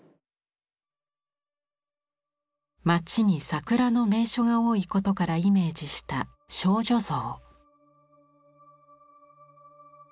街に桜の名所が多いことからイメージした少女像。